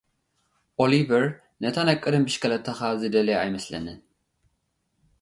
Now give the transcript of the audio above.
ኦሊቨር፡ ነታ ናይ ቀደም ብሽክለታኻ ዝደልያ ኣይመስለንን።